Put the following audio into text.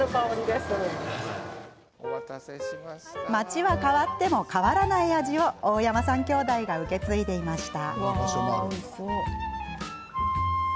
街は変わっても変わらない味を大山さん兄弟が受け継いでいました。